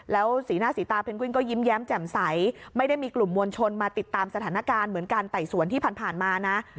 แล้วสีหน้าสีตาเพนกวินก็ยิ้มแย้มแจ่มใสไม่ได้มีกลุ่มมวลชนมาติดตามสถานการณ์เหมือนการไต่สวนที่ผ่านมานะ